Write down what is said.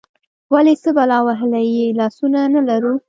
ولې، څه بلا وهلي یو، لاسونه نه لرو؟